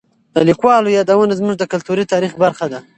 د لیکوالو یادونه زموږ د کلتوري تاریخ برخه ده.